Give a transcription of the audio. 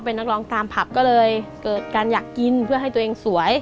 เป็นนักร้องตามผับก็เลยเกิดการอยากกินเพื่อให้ตัวเองสวย